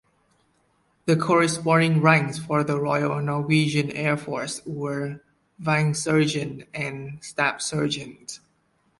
The corresponding ranks for the Royal Norwegian Air Force were "vingsersjant" and "stabssersjant".